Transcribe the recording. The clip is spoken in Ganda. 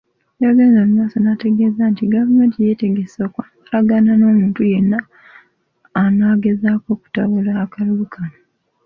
Yagenze mu maaso n'ategeeza nti gavumenti yeetegese okwambalagana n'omuntu yenna anaagezaako okutabula akalulu kano.